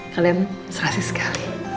kalian serasi sekali